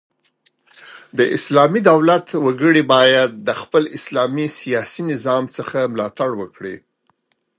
د اسلامي دولت وګړي بايد د خپل اسلامي سیاسي نظام څخه ملاتړ وکړي.